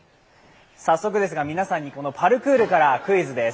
早速ですが皆さんにパルクールからクイズです。